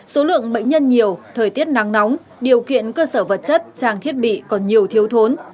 số lượng bệnh nhân nhiều thời tiết nắng nóng điều kiện cơ sở vật chất trang thiết bị còn nhiều thiếu thốn